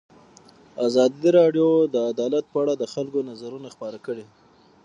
ازادي راډیو د عدالت په اړه د خلکو نظرونه خپاره کړي.